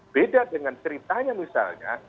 beda dengan ceritanya misalnya